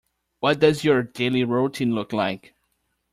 What does your daily routine look like?